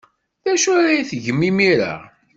D acu ara tgem imir-a?